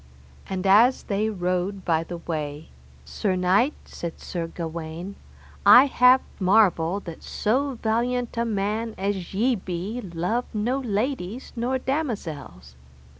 And as they rode by the way, Sir knight, said Sir Gawaine, I have marvel that so valiant a man as ye be love no ladies nor damosels.